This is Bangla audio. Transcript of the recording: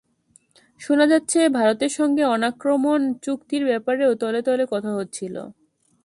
শোনা যাচ্ছে, ভারতের সঙ্গে অনাক্রমণ চুক্তির ব্যাপারেও তলে তলে কথা হচ্ছিল।